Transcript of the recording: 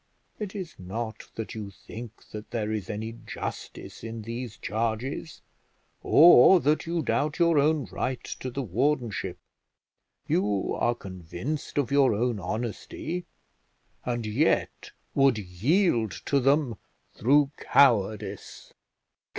It is not that you think that there is any justice in these charges, or that you doubt your own right to the wardenship: you are convinced of your own honesty, and yet would yield to them through cowardice."